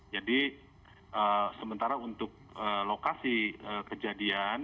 jadi sementara untuk lokasi kejadian